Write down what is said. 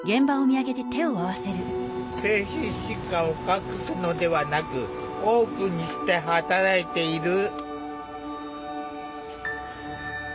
精神疾患を隠すのではなくオープンにして働いている。